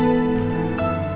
aku mau bantuin